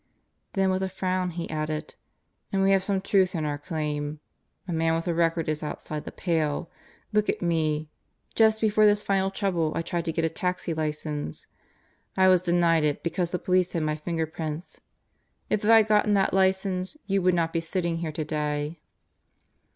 Then with a frown he added: "And we have some truth in our claim. A man with a record is outside the pale. Look at me. Just before this final trouble I tried to get a taxi license. I was denied it because the Police had my finger prints. If I had gotten that license, you would not be sitting here today."